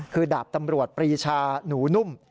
คือดาบตำรวจปรีชาหนูนุ่ม